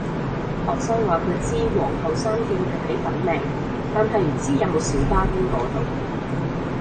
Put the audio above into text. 學生話佢知皇后山徑係喺粉嶺，但係唔知有冇小巴經嗰度